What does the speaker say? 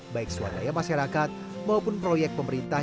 baik suara daya masyarakat maupun proyek pemerintah